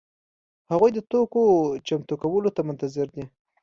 هغوی د توکو چمتو کولو ته منتظر دي.